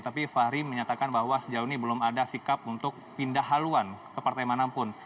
tapi fahri menyatakan bahwa sejauh ini belum ada sikap untuk pindah haluan ke partai manapun